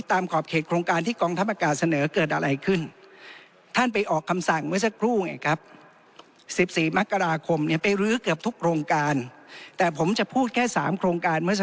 ขอบเขตโครงการที่กองทัพอากาศเสนอเกิดอะไรขึ้น